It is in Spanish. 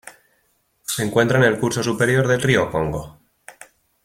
Se encuentra en el curso superior del río Congo.